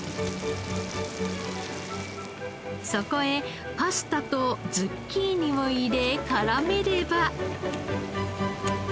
そこへパスタとズッキーニを入れ絡めれば。